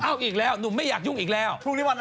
อ้าวอีกแล้วหนุ่มไม่อยากยุ่งอีกแล้ว